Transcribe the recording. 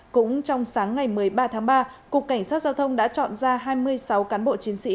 cũng trong sáng ngày một mươi ba tháng ba cục cảnh sát giao thông đã chọn ra hai mươi sáu cán bộ chiến sĩ